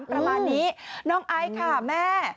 ประมาณนี้น้องไอซ์ค่ะแม่